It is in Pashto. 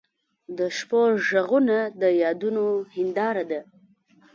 د شپو ږغونه د یادونو هنداره ده.